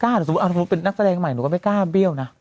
ถ้าสมมุติเป็นนักแสดงใหม่หนูก็ไม่กล้าเบี้ยวนะ